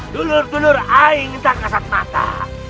dulur dulur aing tak kesat mata